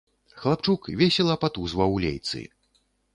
Хлапчук весела патузваў лейцы.